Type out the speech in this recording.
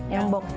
yang box ya